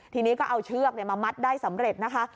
ทีนี้ก็เอาเชือกมามัดได้สำเร็จนะคะ